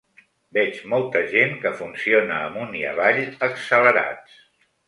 Veig molta gent que funciona amunt i avall, accelerats.